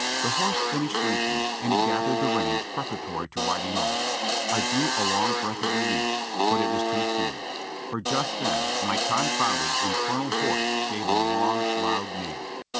The horse finished drinking and he gathered the reins preparatory to riding off. I drew a long breath of relief, but it was too soon ; for just then my confounded, infernal horse gave a long, loud neigh.